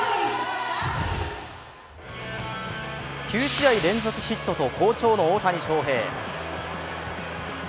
９試合連続ヒットと好調の大谷翔平